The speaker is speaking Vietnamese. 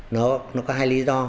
nó có hai lý do